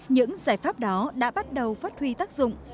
những giải pháp đó đã bắt đầu phát huy tác dụng